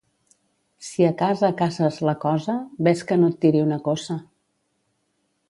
Si a casa caces la cosa, ves que no et tiri una cossa